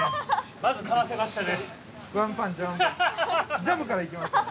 まず、かませましたね。